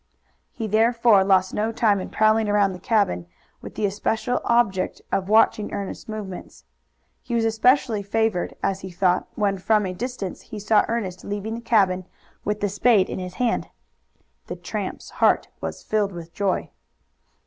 He therefore lost no time in prowling around the cabin, with the especial object of watching Ernest's movements. He was especially favored, as he thought, when from a distance he saw Ernest leaving the cabin with the spade in his hand. The tramp's heart was filled with joy.